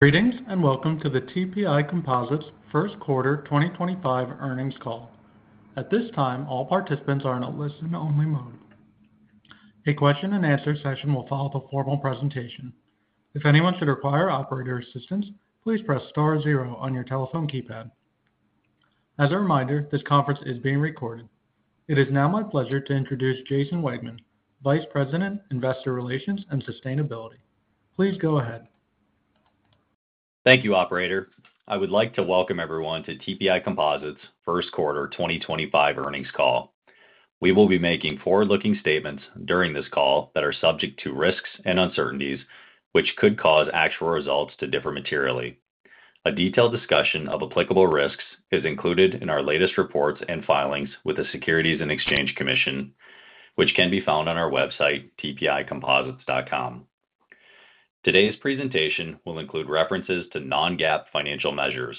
Greetings and welcome to the TPI Composites first quarter 2025 earnings call. At this time, all participants are in a listen-only mode. A question-and-answer session will follow the formal presentation. If anyone should require operator assistance, please press star zero on your telephone keypad. As a reminder, this conference is being recorded. It is now my pleasure to introduce Jason Wegmann, Vice President, Investor Relations and Sustainability. Please go ahead. Thank you, Operator. I would like to welcome everyone to TPI Composites first quarter 2025 earnings call. We will be making forward-looking statements during this call that are subject to risks and uncertainties, which could cause actual results to differ materially. A detailed discussion of applicable risks is included in our latest reports and filings with the Securities and Exchange Commission, which can be found on our website, tpicomposites.com. Today's presentation will include references to non-GAAP financial measures.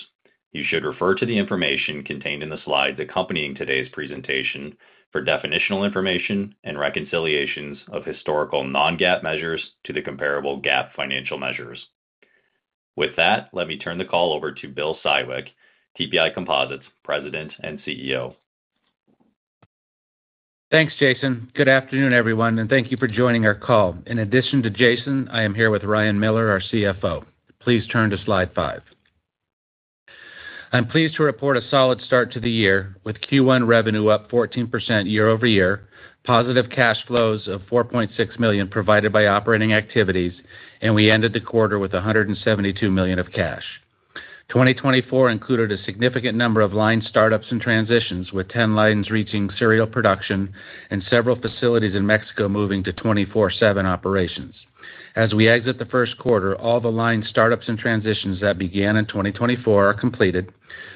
You should refer to the information contained in the slides accompanying today's presentation for definitional information and reconciliations of historical non-GAAP measures to the comparable GAAP financial measures. With that, let me turn the call over to Bill Siwek, TPI Composites President and CEO. Thanks, Jason. Good afternoon, everyone, and thank you for joining our call. In addition to Jason, I am here with Ryan Miller, our CFO. Please turn to slide five. I'm pleased to report a solid start to the year with Q1 revenue up 14% year over year, positive cash flows of $4.6 million provided by operating activities, and we ended the quarter with $172 million of cash. 2024 included a significant number of line startups and transitions, with 10 lines reaching serial production and several facilities in Mexico moving to 24/7 operations. As we exit the first quarter, all the line startups and transitions that began in 2024 are completed.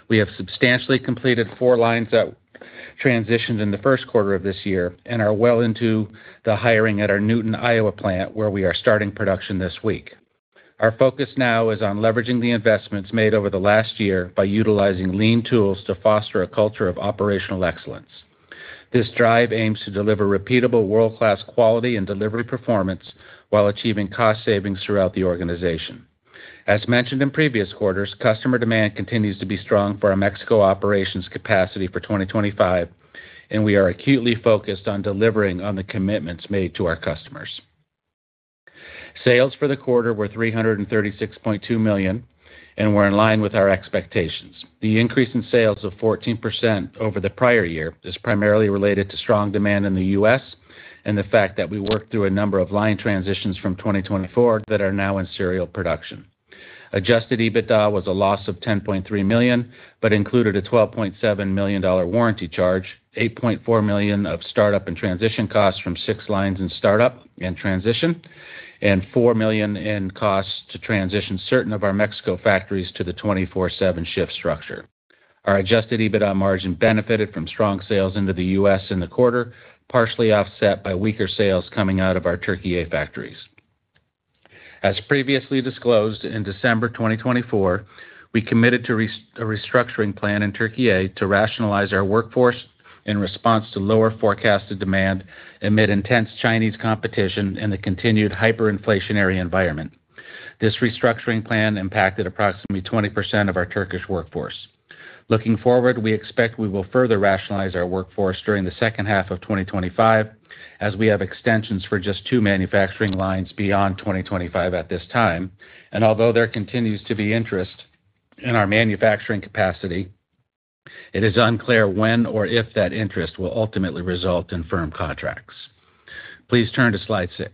We have substantially completed four lines that transitioned in the first quarter of this year and are well into the hiring at our Newton, Iowa plant, where we are starting production this week. Our focus now is on leveraging the investments made over the last year by utilizing lean tools to foster a culture of operational excellence. This drive aims to deliver repeatable world-class quality and delivery performance while achieving cost savings throughout the organization. As mentioned in previous quarters, customer demand continues to be strong for our Mexico operations capacity for 2025, and we are acutely focused on delivering on the commitments made to our customers. Sales for the quarter were $336.2 million and were in line with our expectations. The increase in sales of 14% over the prior year is primarily related to strong demand in the U.S. and the fact that we worked through a number of line transitions from 2024 that are now in serial production. Adjusted EBITDA was a loss of $10.3 million but included a $12.7 million warranty charge, $8.4 million of startup and transition costs from six lines in startup and transition, and $4 million in costs to transition certain of our Mexico factories to the 24/7 shift structure. Our Adjusted EBITDA margin benefited from strong sales into the U.S. in the quarter, partially offset by weaker sales coming out of our Turkey A factories. As previously disclosed, in December 2024, we committed to a restructuring plan in Turkey A to rationalize our workforce in response to lower forecasted demand amid intense Chinese competition and the continued hyperinflationary environment. This restructuring plan impacted approximately 20% of our Turkish workforce. Looking forward, we expect we will further rationalize our workforce during the second half of 2025, as we have extensions for just two manufacturing lines beyond 2025 at this time. Although there continues to be interest in our manufacturing capacity, it is unclear when or if that interest will ultimately result in firm contracts. Please turn to slide six.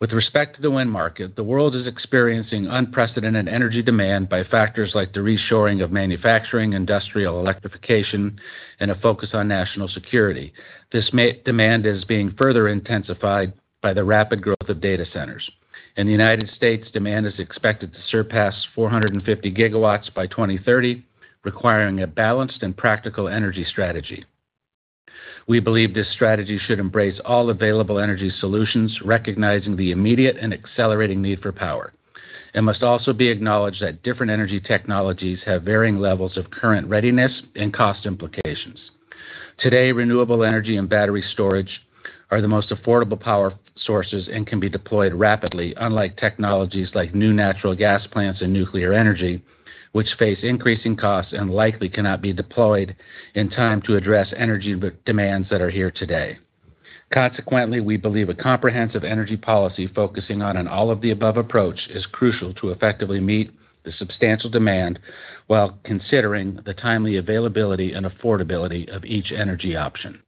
With respect to the wind market, the world is experiencing unprecedented energy demand by factors like the reshoring of manufacturing, industrial electrification, and a focus on national security. This demand is being further intensified by the rapid growth of data centers. In the U.S., demand is expected to surpass 450 gigawatts by 2030, requiring a balanced and practical energy strategy. We believe this strategy should embrace all available energy solutions, recognizing the immediate and accelerating need for power. It must also be acknowledged that different energy technologies have varying levels of current readiness and cost implications. Today, renewable energy and battery storage are the most affordable power sources and can be deployed rapidly, unlike technologies like new natural gas plants and nuclear energy, which face increasing costs and likely cannot be deployed in time to address energy demands that are here today. Consequently, we believe a comprehensive energy policy focusing on an all-of-the-above approach is crucial to effectively meet the substantial demand while considering the timely availability and affordability of each energy option.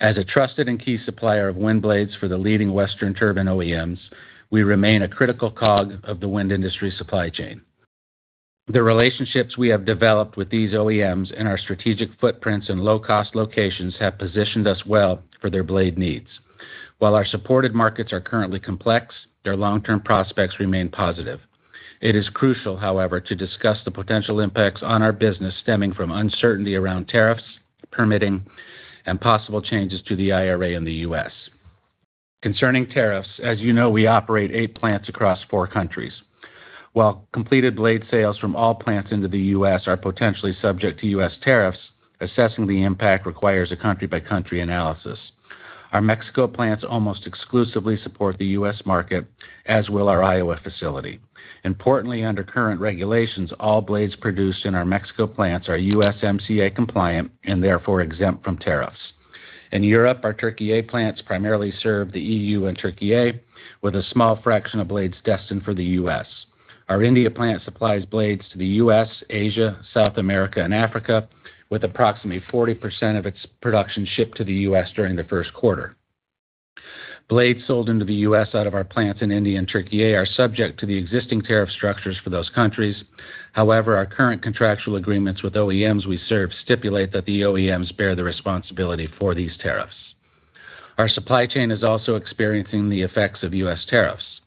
As a trusted and key supplier of wind blades for the leading Western Turbine OEMs, we remain a critical cog of the wind industry supply chain. The relationships we have developed with these OEMs and our strategic footprints in low-cost locations have positioned us well for their blade needs. While our supported markets are currently complex, their long-term prospects remain positive. It is crucial, however, to discuss the potential impacts on our business stemming from uncertainty around tariffs, permitting, and possible changes to the IRA in the U.S. Concerning tariffs, as you know, we operate eight plants across four countries. While completed blade sales from all plants into the U.S. are potentially subject to U.S. tariffs, assessing the impact requires a country-by-country analysis. Our Mexico plants almost exclusively support the U.S. market, as will our Iowa facility. Importantly, under current regulations, all blades produced in our Mexico plants are USMCA compliant and therefore exempt from tariffs. In Europe, our Turkey A plants primarily serve the EU and Turkey A, with a small fraction of blades destined for the U.S. Our India plant supplies blades to the U.S., Asia, South America, and Africa, with approximately 40% of its production shipped to the U.S. during the first quarter. Blades sold into the U.S. Out of our plants in India and Turkey are subject to the existing tariff structures for those countries. However, our current contractual agreements with OEMs we serve stipulate that the OEMs bear the responsibility for these tariffs. Our supply chain is also experiencing the effects of U.S. tariffs.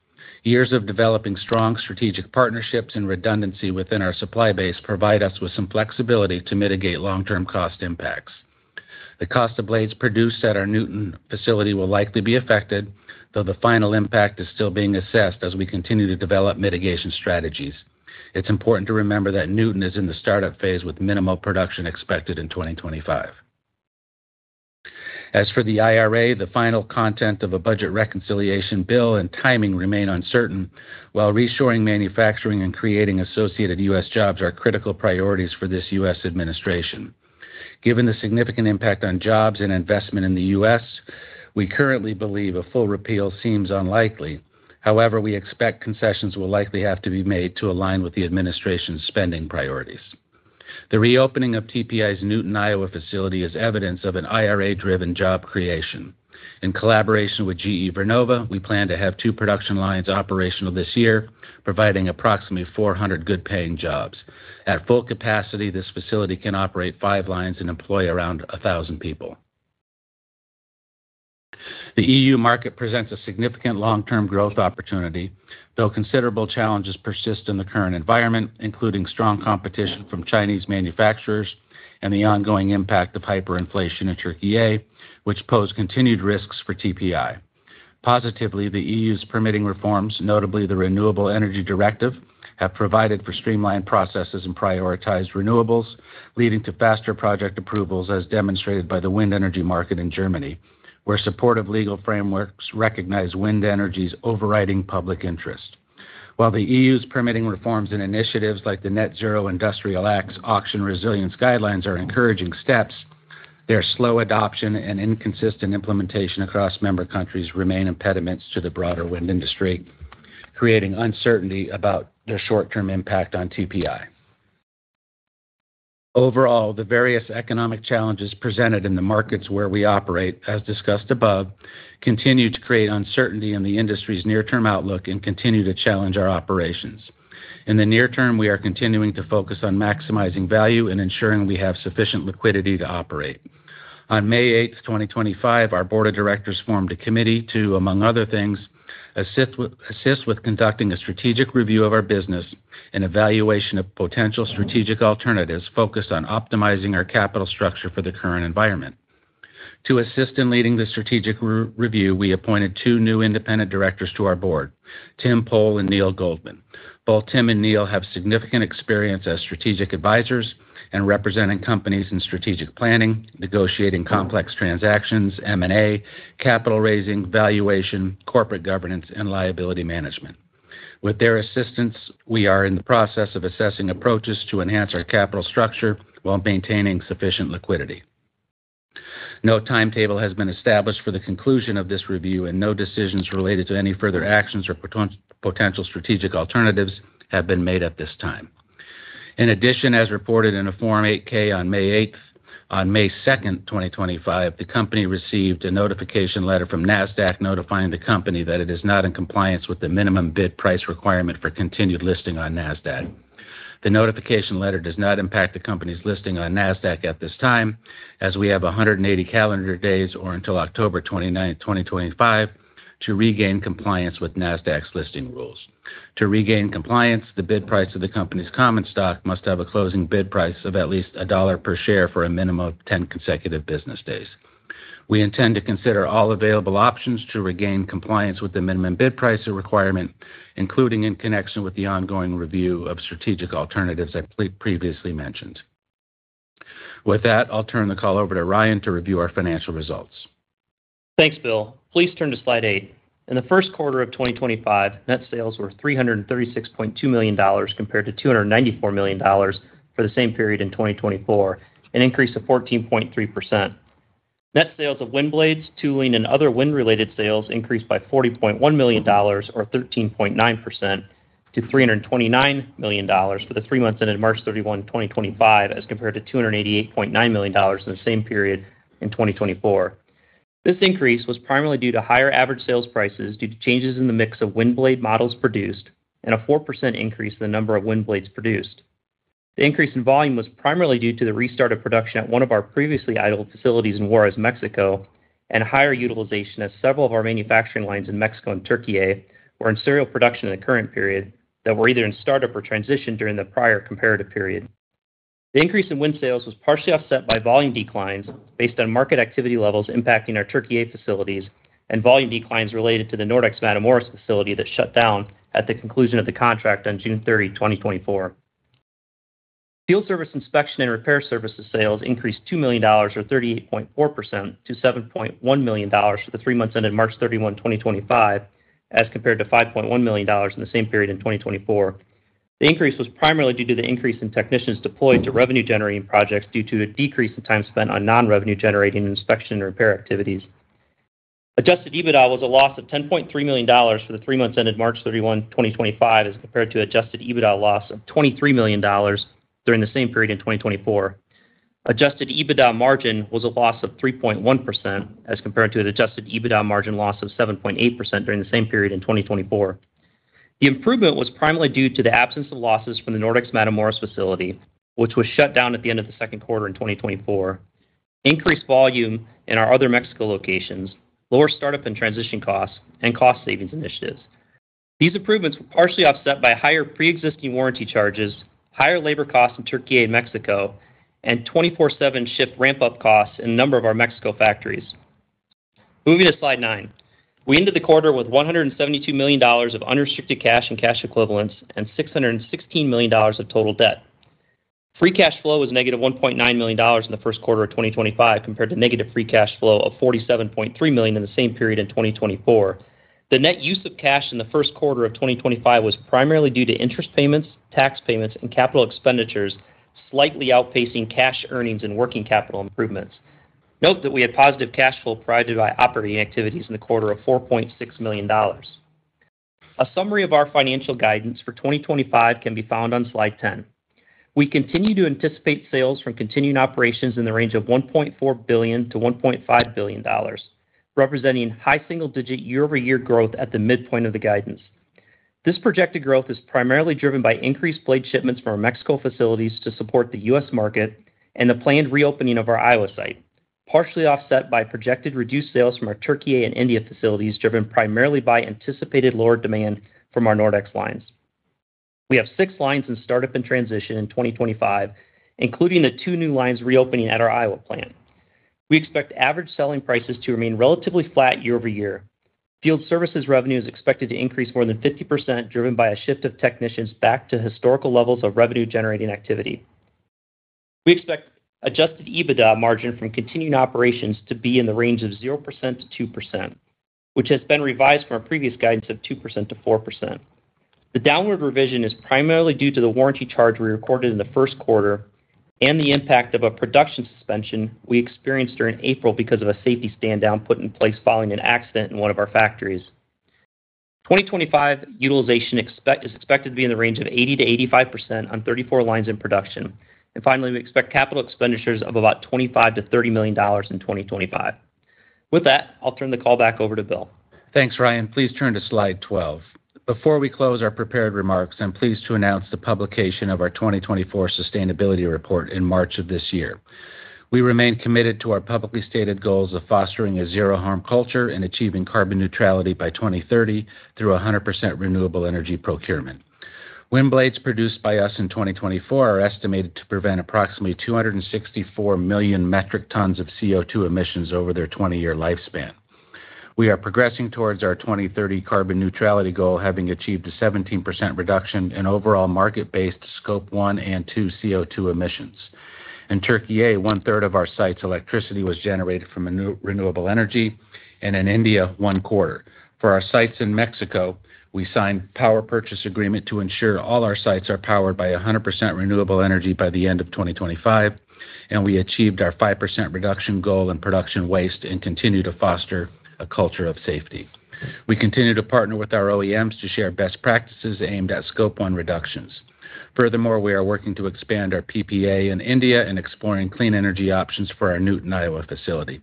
Years of developing strong strategic partnerships and redundancy within our supply base provide us with some flexibility to mitigate long-term cost impacts. The cost of blades produced at our Newton facility will likely be affected, though the final impact is still being assessed as we continue to develop mitigation strategies. It's important to remember that Newton is in the startup phase with minimal production expected in 2025. As for the IRA, the final content of a budget reconciliation bill and timing remain uncertain, while reshoring manufacturing and creating associated U.S. jobs are critical priorities for this U.S. administration. Given the significant impact on jobs and investment in the U.S., we currently believe a full repeal seems unlikely. However, we expect concessions will likely have to be made to align with the administration's spending priorities. The reopening of TPI's Newton, Iowa facility is evidence of an IRA-driven job creation. In collaboration with GE Vernova, we plan to have two production lines operational this year, providing approximately 400 good-paying jobs. At full capacity, this facility can operate five lines and employ around 1,000 people. The EU market presents a significant long-term growth opportunity, though considerable challenges persist in the current environment, including strong competition from Chinese manufacturers and the ongoing impact of hyperinflation in Turkey, which pose continued risks for TPI. Positively, the EU's permitting reforms, notably the Renewable Energy Directive, have provided for streamlined processes and prioritized renewables, leading to faster project approvals, as demonstrated by the wind energy market in Germany, where supportive legal frameworks recognize wind energy's overriding public interest. While the EU's permitting reforms and initiatives like the Net Zero Industrial Act's auction resilience guidelines are encouraging steps, their slow adoption and inconsistent implementation across member countries remain impediments to the broader wind industry, creating uncertainty about their short-term impact on TPI Composites. Overall, the various economic challenges presented in the markets where we operate, as discussed above, continue to create uncertainty in the industry's near-term outlook and continue to challenge our operations. In the near term, we are continuing to focus on maximizing value and ensuring we have sufficient liquidity to operate. On May 8th, 2025, our Board of Directors formed a committee to, among other things, assist with conducting a strategic review of our business and evaluation of potential strategic alternatives focused on optimizing our capital structure for the current environment. To assist in leading the strategic review, we appointed two new independent directors to our board, Tim Pohl and Neal Goldman. Both Tim and Neal have significant experience as strategic advisors and representing companies in strategic planning, negotiating complex transactions, M&A, capital raising, valuation, corporate governance, and liability management. With their assistance, we are in the process of assessing approaches to enhance our capital structure while maintaining sufficient liquidity. No timetable has been established for the conclusion of this review, and no decisions related to any further actions or potential strategic alternatives have been made at this time. In addition, as reported in a Form 8K on May 2nd, 2025, the company received a notification letter from NASDAQ notifying the company that it is not in compliance with the minimum bid price requirement for continued listing on NASDAQ. The notification letter does not impact the company's listing on NASDAQ at this time, as we have 180 calendar days or until October 29th, 2025, to regain compliance with NASDAQ's listing rules. To regain compliance, the bid price of the company's common stock must have a closing bid price of at least $1 per share for a minimum of 10 consecutive business days. We intend to consider all available options to regain compliance with the minimum bid price requirement, including in connection with the ongoing review of strategic alternatives I previously mentioned. With that, I'll turn the call over to Ryan to review our financial results. Thanks, Bill. Please turn to slide eight. In the first quarter of 2025, net sales were $336.2 million compared to $294 million for the same period in 2024, an increase of 14.3%. Net sales of wind blades, tooling, and other wind-related sales increased by $40.1 million or 13.9% to $329 million for the three months ended March 31, 2025, as compared to $288.9 million in the same period in 2024. This increase was primarily due to higher average sales prices due to changes in the mix of wind blade models produced and a 4% increase in the number of wind blades produced. The increase in volume was primarily due to the restart of production at one of our previously idled facilities in Juarez, Mexico, and higher utilization as several of our manufacturing lines in Mexico and Turkey A were in serial production in the current period that were either in startup or transition during the prior comparative period. The increase in wind sales was partially offset by volume declines based on market activity levels impacting our Turkey A facilities and volume declines related to the Nordex Matamoros facility that shut down at the conclusion of the contract on June 30, 2024. Field service inspection and repair services sales increased $2 million or 38.4% to $7.1 million for the three months ended March 31, 2025, as compared to $5.1 million in the same period in 2024. The increase was primarily due to the increase in technicians deployed to revenue-generating projects due to a decrease in time spent on non-revenue-generating inspection and repair activities. Adjusted EBITDA was a loss of $10.3 million for the three months ended March 31, 2025, as compared to Adjusted EBITDA loss of $23 million during the same period in 2024. Adjusted EBITDA margin was a loss of 3.1% as compared to an Adjusted EBITDA margin loss of 7.8% during the same period in 2024. The improvement was primarily due to the absence of losses from the Nordex Matamoros facility, which was shut down at the end of the second quarter in 2024, increased volume in our other Mexico locations, lower startup and transition costs, and cost savings initiatives. These improvements were partially offset by higher pre-existing warranty charges, higher labor costs in Turkey A, Mexico, and 24/7 shift ramp-up costs in a number of our Mexico factories. Moving to slide nine, we ended the quarter with $172 million of unrestricted cash and cash equivalents and $616 million of total debt. Free cash flow was negative $1.9 million in the first quarter of 2025 compared to negative free cash flow of $47.3 million in the same period in 2024. The net use of cash in the first quarter of 2025 was primarily due to interest payments, tax payments, and capital expenditures slightly outpacing cash earnings and working capital improvements. Note that we had positive cash flow provided by operating activities in the quarter of $4.6 million. A summary of our financial guidance for 2025 can be found on slide 10. We continue to anticipate sales from continuing operations in the range of $1.4 billion-$1.5 billion, representing high single-digit year-over-year growth at the midpoint of the guidance. This projected growth is primarily driven by increased blade shipments from our Mexico facilities to support the U.S. market and the planned reopening of our Iowa site, partially offset by projected reduced sales from our Turkey A and India facilities driven primarily by anticipated lower demand from our Nordex lines. We have six lines in startup and transition in 2025, including the two new lines reopening at our Iowa plant. We expect average selling prices to remain relatively flat year-over-year. Field services revenue is expected to increase more than 50% driven by a shift of technicians back to historical levels of revenue-generating activity. We expect Adjusted EBITDA margin from continuing operations to be in the range of 0%-2%, which has been revised from our previous guidance of 2%-4%. The downward revision is primarily due to the warranty charge we recorded in the first quarter and the impact of a production suspension we experienced during April because of a safety stand-down put in place following an accident in one of our factories. 2025 utilization is expected to be in the range of 80%-85% on 34 lines in production. Finally, we expect capital expenditures of about $25 million-$30 million in 2025. With that, I'll turn the call back over to Bill. Thanks, Ryan. Please turn to slide 12. Before we close our prepared remarks, I'm pleased to announce the publication of our 2024 Sustainability Report in March of this year. We remain committed to our publicly stated goals of fostering a zero-harm culture and achieving carbon neutrality by 2030 through 100% renewable energy procurement. Wind blades produced by us in 2024 are estimated to prevent approximately 264 million metric tons of CO2 emissions over their 20-year lifespan. We are progressing towards our 2030 carbon neutrality goal, having achieved a 17% reduction in overall market-based Scope 1 and 2 CO2 emissions. In Turkey A, one-third of our site's electricity was generated from renewable energy, and in India, one-quarter. For our sites in Mexico, we signed a power purchase agreement to ensure all our sites are powered by 100% renewable energy by the end of 2025, and we achieved our 5% reduction goal in production waste and continue to foster a culture of safety. We continue to partner with our OEMs to share best practices aimed at Scope 1 reductions. Furthermore, we are working to expand our PPA in India and exploring clean energy options for our Newton, Iowa facility.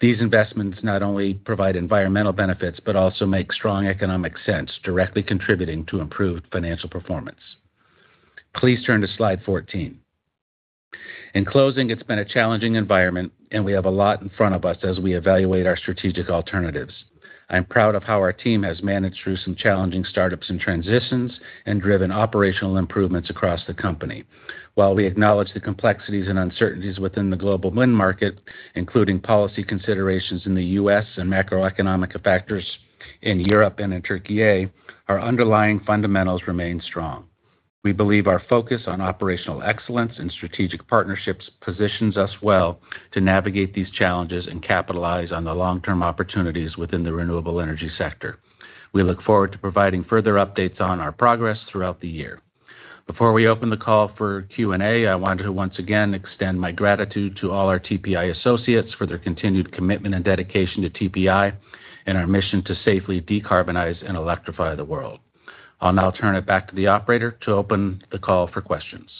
These investments not only provide environmental benefits but also make strong economic sense, directly contributing to improved financial performance. Please turn to slide 14. In closing, it's been a challenging environment, and we have a lot in front of us as we evaluate our strategic alternatives. I'm proud of how our team has managed through some challenging startups and transitions and driven operational improvements across the company. While we acknowledge the complexities and uncertainties within the global wind market, including policy considerations in the U.S. and macroeconomic factors in Europe and in Turkey, our underlying fundamentals remain strong. We believe our focus on operational excellence and strategic partnerships positions us well to navigate these challenges and capitalize on the long-term opportunities within the renewable energy sector. We look forward to providing further updates on our progress throughout the year. Before we open the call for Q&A, I want to once again extend my gratitude to all our TPI associates for their continued commitment and dedication to TPI and our mission to safely decarbonize and electrify the world. I'll now turn it back to the operator to open the call for questions.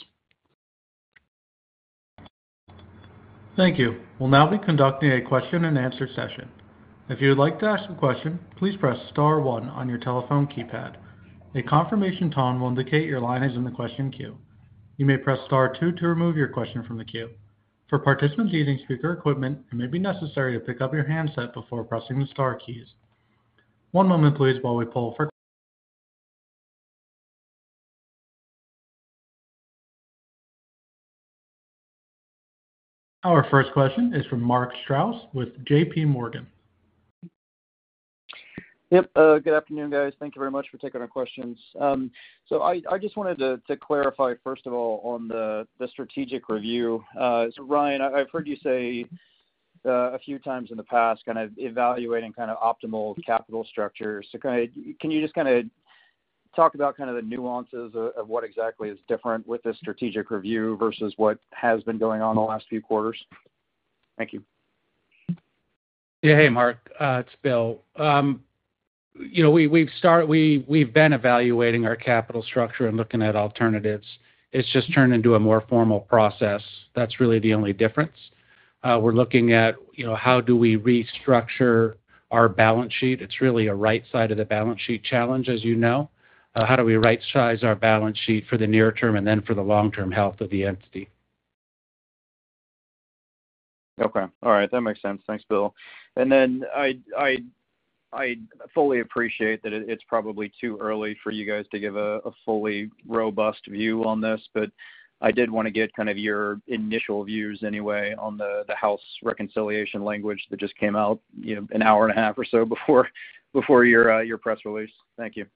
Thank you. We'll now be conducting a question-and-answer session. If you would like to ask a question, please press star one on your telephone keypad. A confirmation tone will indicate your line is in the question queue. You may press star two to remove your question from the queue. For participants using speaker equipment, it may be necessary to pick up your handset before pressing the Star keys. One moment, please, while we pull for. Our first question is from Mark Strouse with JP Morgan. Yep. Good afternoon, guys. Thank you very much for taking our questions. I just wanted to clarify, first of all, on the strategic review. Ryan, I've heard you say a few times in the past, kind of evaluating optimal capital structures. Can you just talk about the nuances of what exactly is different with this strategic review versus what has been going on the last few quarters? Thank you. Yeah. Hey, Mark. It's Bill. We've been evaluating our capital structure and looking at alternatives. It's just turned into a more formal process. That's really the only difference. We're looking at how do we restructure our balance sheet. It's really a right-sided balance sheet challenge, as you know. How do we right-size our balance sheet for the near term and then for the long-term health of the entity? Okay. All right. That makes sense. Thanks, Bill. I fully appreciate that it's probably too early for you guys to give a fully robust view on this, but I did want to get kind of your initial views anyway on the House reconciliation language that just came out an hour and a half or so before your press release. Thank you.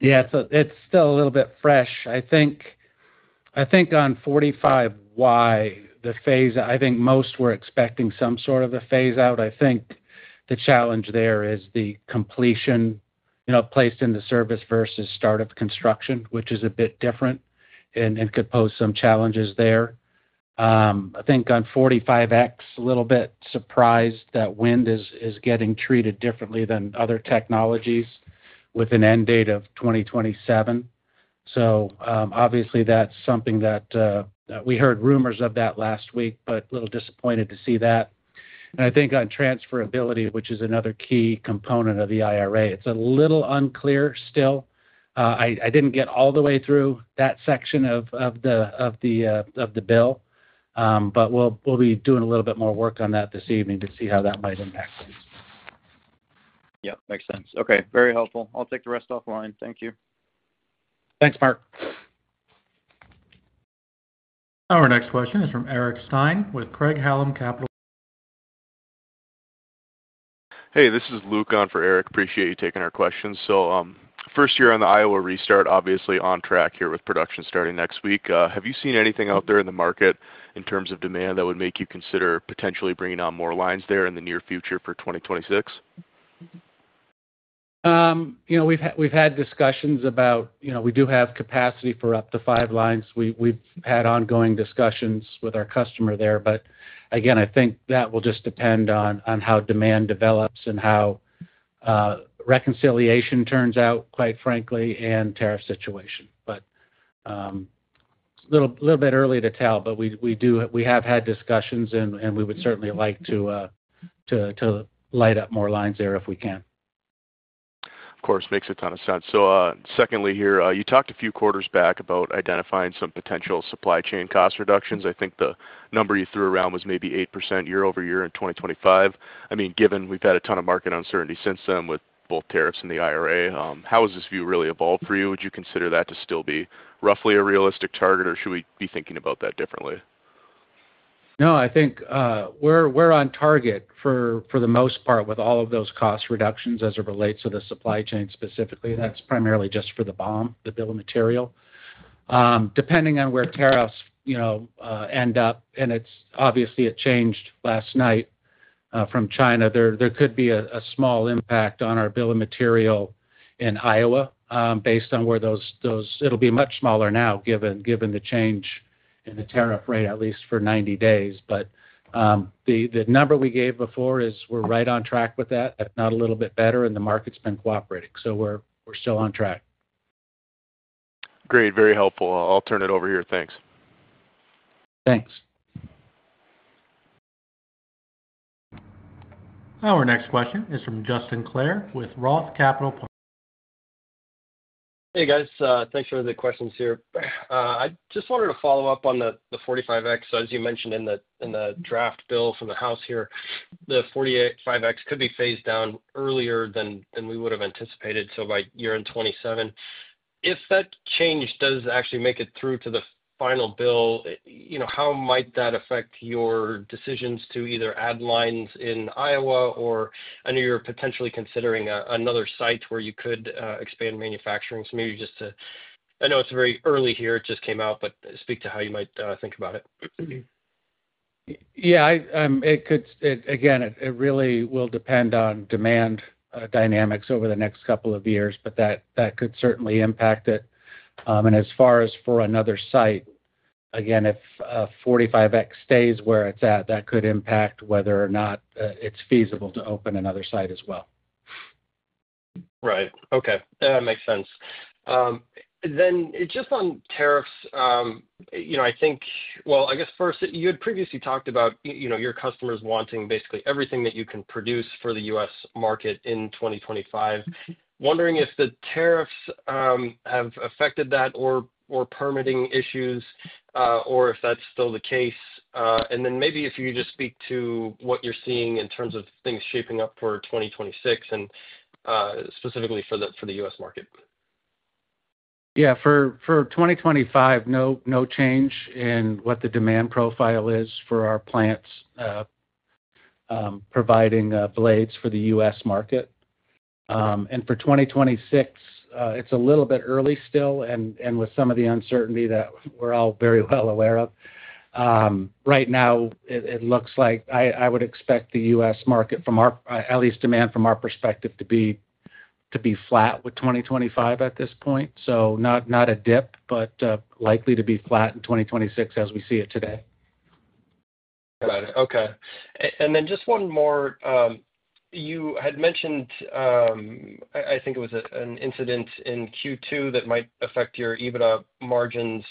Yeah. It's still a little bit fresh. I think on 45Y, the phase, I think most were expecting some sort of a phase-out. I think the challenge there is the completion placed into service versus startup construction, which is a bit different and could pose some challenges there. I think on 45X, a little bit surprised that wind is getting treated differently than other technologies with an end date of 2027. Obviously, that's something that we heard rumors of that last week, but a little disappointed to see that. I think on transferability, which is another key component of the IRA, it's a little unclear still. I didn't get all the way through that section of the bill, but we'll be doing a little bit more work on that this evening to see how that might impact things. Yep. Makes sense. Okay. Very helpful. I'll take the rest offline. Thank you. Thanks, Mark. Our next question is from Eric Stein with Craig-Hallum Capital. Hey, this is Luke on for Eric. Appreciate you taking our questions. First year on the Iowa restart, obviously on track here with production starting next week. Have you seen anything out there in the market in terms of demand that would make you consider potentially bringing on more lines there in the near future for 2026? We've had discussions about we do have capacity for up to five lines. We've had ongoing discussions with our customer there. I think that will just depend on how demand develops and how reconciliation turns out, quite frankly, and tariff situation. It is a little bit early to tell, but we have had discussions, and we would certainly like to light up more lines there if we can. Of course. Makes a ton of sense. Secondly here, you talked a few quarters back about identifying some potential supply chain cost reductions. I think the number you threw around was maybe 8% year-over-year in 2025. I mean, given we've had a ton of market uncertainty since then with both tariffs and the IRA, how has this view really evolved for you? Would you consider that to still be roughly a realistic target, or should we be thinking about that differently? No, I think we're on target for the most part with all of those cost reductions as it relates to the supply chain specifically. That's primarily just for the BOM, the bill of material. Depending on where tariffs end up, and obviously, it changed last night from China, there could be a small impact on our bill of material in Iowa based on where those it'll be much smaller now given the change in the tariff rate at least for 90 days. The number we gave before is we're right on track with that, if not a little bit better, and the market's been cooperating. We're still on track. Great. Very helpful. I'll turn it over here. Thanks. Thanks. Our next question is from Justin Clare with Roth Capital. Hey, guys. Thanks for the questions here. I just wanted to follow up on the 45X. As you mentioned in the draft bill from the House here, the 45X could be phased down earlier than we would have anticipated, so by year end 2027. If that change does actually make it through to the final bill, how might that affect your decisions to either add lines in Iowa or I know you're potentially considering another site where you could expand manufacturing. Maybe just to, I know it's very early here, it just came out, but speak to how you might think about it. Yeah. Again, it really will depend on demand dynamics over the next couple of years, but that could certainly impact it. As far as for another site, again, if 45X stays where it's at, that could impact whether or not it's feasible to open another site as well. Right. Okay. That makes sense. Just on tariffs, I think, I guess first, you had previously talked about your customers wanting basically everything that you can produce for the U.S. market in 2025. Wondering if the tariffs have affected that or permitting issues or if that's still the case. Maybe if you could just speak to what you're seeing in terms of things shaping up for 2026 and specifically for the U.S. market. Yeah. For 2025, no change in what the demand profile is for our plants providing blades for the U.S. market. For 2026, it's a little bit early still, and with some of the uncertainty that we're all very well aware of. Right now, it looks like I would expect the U.S. market, at least demand from our perspective, to be flat with 2025 at this point. Not a dip, but likely to be flat in 2026 as we see it today. Got it. Okay. And then just one more. You had mentioned, I think it was an incident in Q2 that might affect your EBITDA margins.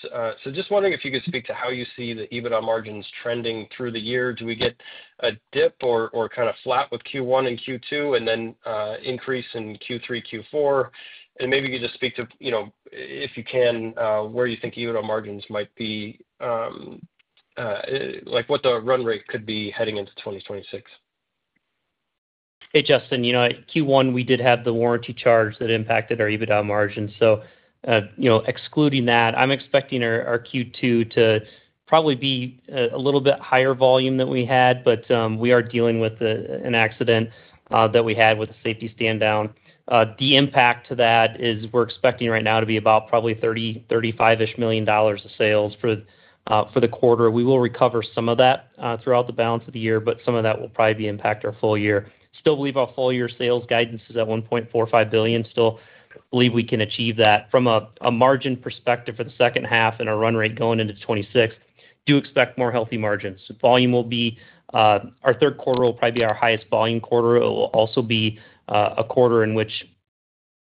Just wondering if you could speak to how you see the EBITDA margins trending through the year. Do we get a dip or kind of flat with Q1 and Q2 and then increase in Q3, Q4? Maybe you could just speak to, if you can, where you think EBITDA margins might be, what the run rate could be heading into 2026. Hey, Justin. Q1, we did have the warranty charge that impacted our EBITDA margins. Excluding that, I'm expecting our Q2 to probably be a little bit higher volume than we had, but we are dealing with an accident that we had with the safety stand down. The impact to that is we're expecting right now to be about probably $30 million-$35 million of sales for the quarter. We will recover some of that throughout the balance of the year, but some of that will probably impact our full year. Still believe our full year sales guidance is at $1.45 billion. Still believe we can achieve that. From a margin perspective for the second half and our run rate going into 2026, do expect more healthy margins. Volume will be our third quarter will probably be our highest volume quarter. It will also be a quarter in which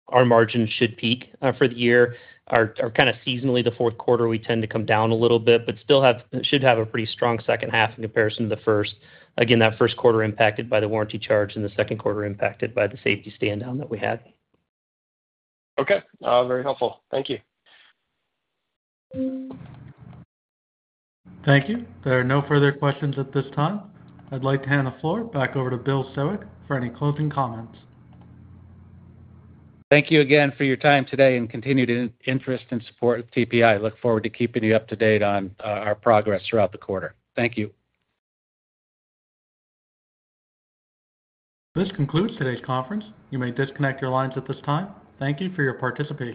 our margins should peak for the year. Kind of seasonally, the fourth quarter, we tend to come down a little bit, but still should have a pretty strong second half in comparison to the first. Again, that first quarter impacted by the warranty charge and the second quarter impacted by the safety stand down that we had. Okay. Very helpful. Thank you. Thank you. There are no further questions at this time. I'd like to hand the floor back over to Bill Siwek for any closing comments. Thank you again for your time today and continued interest and support of TPI. Look forward to keeping you up to date on our progress throughout the quarter. Thank you. This concludes today's conference. You may disconnect your lines at this time. Thank you for your participation.